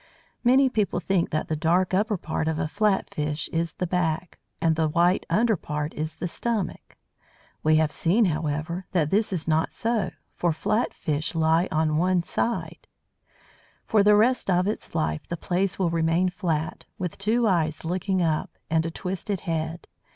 Many people think that the dark upper part of a flat fish is the back, and the white under part is the stomach. We have seen, however, that this is not so, for flat fish lie on one side. For the rest of its life the Plaice will remain flat, with two eyes looking up, and a twisted head.